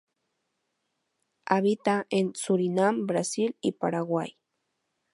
Habita en Surinam, Brasil y Paraguay.